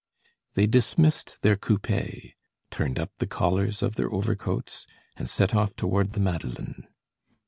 They dismissed their coupés, turned up the collars of their overcoats, and set off toward the Madeleine.